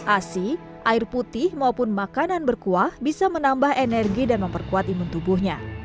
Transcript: asi air putih maupun makanan berkuah bisa menambah energi dan memperkuat imun tubuhnya